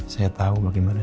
saya tahu bagaimana